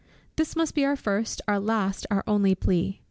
This must be our first, our last, our only plea.